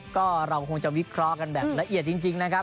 ก็เราคงจะวิเคราะห์กันแบบละเอียดจริงนะครับ